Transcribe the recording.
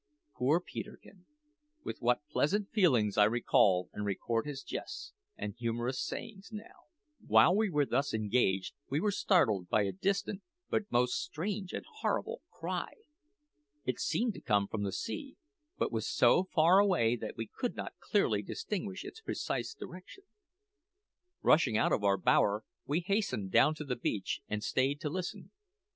Poor Peterkin! with what pleasant feelings I recall and record his jests and humorous sayings now! While we were thus engaged we were startled by a distant, but most strange and horrible, cry. It seemed to come from the sea, but was so far away that we could not clearly distinguish its precise direction. Rushing out of our bower, we hastened down to the beach and stayed to listen.